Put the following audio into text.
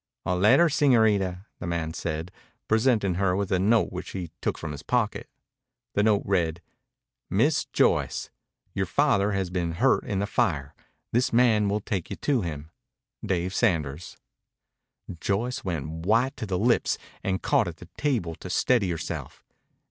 "A letter, señorita," the man said, presenting her with a note which he took from his pocket. The note read: MISS JOYCE: Your father has been hurt in the fire. This man will take you to him. DAVE SANDERS Joyce went white to the lips and caught at the table to steady herself.